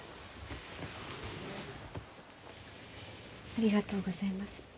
ありがとうございます。